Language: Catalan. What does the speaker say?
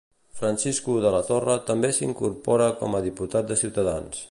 Francisco de la Torre també s'incorpora com a diputat de Ciutadans.